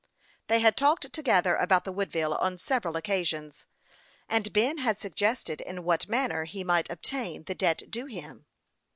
They had talked together about the Woodville on several occasions, and Ben had suggested in what manner he might obtain the debt due him.